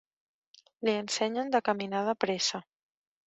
Li ensenyen de caminar de pressa.